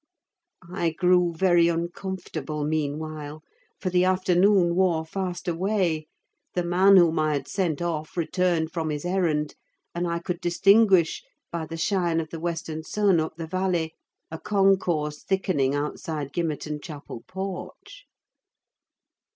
I grew very uncomfortable, meanwhile; for the afternoon wore fast away, the man whom I had sent off returned from his errand, and I could distinguish, by the shine of the western sun up the valley, a concourse thickening outside Gimmerton chapel porch.